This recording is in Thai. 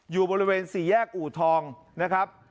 อยู่บริเวณสี่แยกอูทองนะครับ